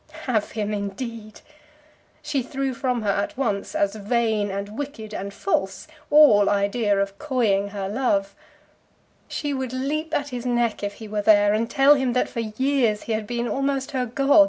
Have him, indeed! She threw from her, at once, as vain and wicked and false, all idea of coying her love. She would leap at his neck if he were there, and tell him that for years he had been almost her god.